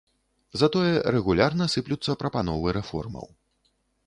Затое рэгулярна сыплюцца прапановы рэформаў.